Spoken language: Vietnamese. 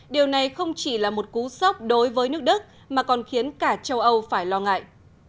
điều này không chỉ là một cú sốc đối với nước đức mà còn khiến cả châu âu phải lo ngại